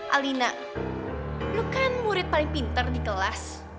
alina lu kan murid paling pinter di kelas